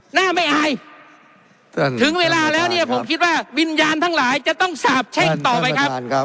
หน้าไม่อายถึงเวลาแล้วเนี่ยผมคิดว่าวิญญาณทั้งหลายจะต้องสาบแช่งต่อไปครับ